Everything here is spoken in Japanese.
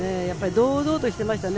堂々としていましたね。